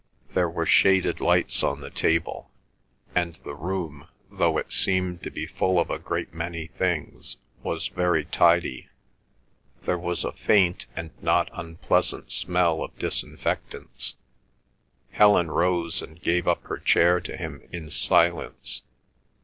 There were shaded lights on the table, and the room, though it seemed to be full of a great many things, was very tidy. There was a faint and not unpleasant smell of disinfectants. Helen rose and gave up her chair to him in silence.